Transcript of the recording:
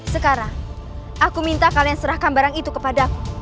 sekarang aku minta kalian serahkan barang itu ke aku